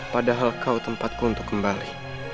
padahal kau tempatku untuk kembali